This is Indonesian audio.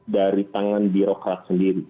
dari tangan birokrat sendiri